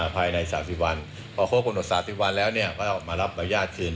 แต่ว่าก็ถือว่าปรับน้อยไปหน่อยนะ